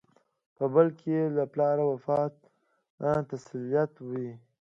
په بل کې یې د پلار وفات تسلیت وي.